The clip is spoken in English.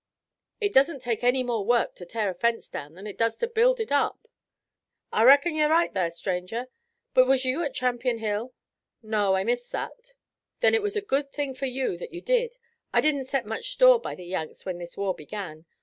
"It doesn't take any more work to tear a fence down than it does to build it up." "I reckon you're right thar, stranger. But was you at Champion Hill?" "No, I missed that." "Then it was a good thing for you that you did. I didn't set much store by the Yanks when this war began.